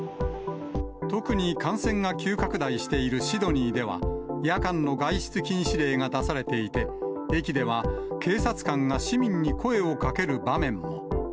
特に感染が急拡大しているシドニーでは、夜間の外出禁止令が出されていて、駅では警察官が市民に声をかける場面も。